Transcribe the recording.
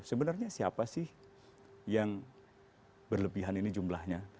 sebenarnya siapa sih yang berlebihan ini jumlahnya